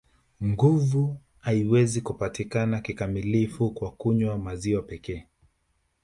Nguvu haiwezi kupatikana kikamilifu kwa kunywa maziwa pekee